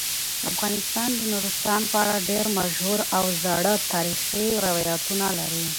افغانستان د نورستان په اړه ډیر مشهور او زاړه تاریخی روایتونه لري.